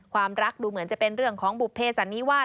ความรักดูเหมือนจะเป็นเรื่องของบุภเพสันนิวาส